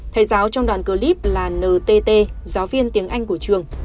thầy giáo trong đoàn clip là ntt giáo viên tiếng anh của trường